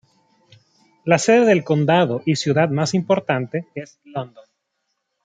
La sede del condado y ciudad más importante es London.